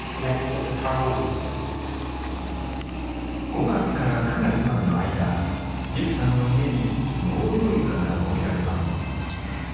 ５月から９月までの間ジェフさんの家に「納涼床」が設けられます